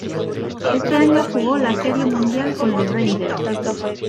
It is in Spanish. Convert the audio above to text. Este año jugó la Serie Mundial con los Rangers.